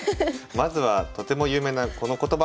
まずはとても有名なこの言葉。